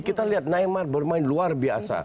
kita lihat neymar bermain luar biasa